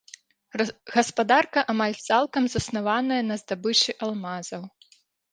Гаспадарка амаль цалкам заснаваная на здабычы алмазаў.